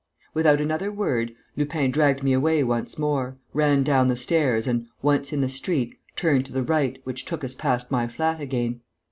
Without another word, Lupin dragged me away once more, ran down the stairs and, once in the street, turned to the right, which took us past my flat again.